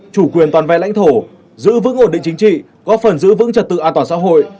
chủ quyền toàn vẹn lãnh thổ giữ vững ổn định chính trị góp phần giữ vững trật tự an toàn xã hội